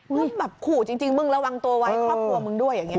แบบขู่จริงมึงระวังตัวไว้ครอบครัวมึงด้วยอย่างนี้